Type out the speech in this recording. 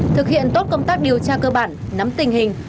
thực hiện tốt công tác điều tra cơ bản nắm tình hình